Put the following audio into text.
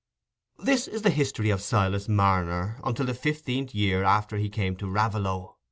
This is the history of Silas Marner, until the fifteenth year after he came to Raveloe.